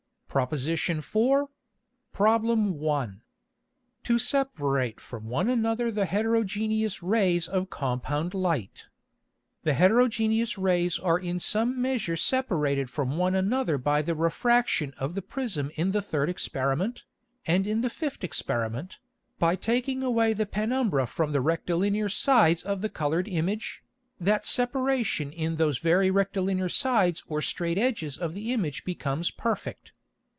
PROP. IV. PROB. I. To separate from one another the heterogeneous Rays of compound Light. [Illustration: FIG. 23.] The heterogeneous Rays are in some measure separated from one another by the Refraction of the Prism in the third Experiment, and in the fifth Experiment, by taking away the Penumbra from the rectilinear sides of the coloured Image, that Separation in those very rectilinear sides or straight edges of the Image becomes perfect.